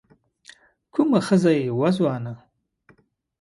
کومه ښځه يې وه ځوانه